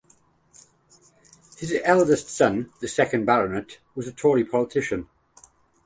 His eldest son, the second Baronet, was a Tory politician.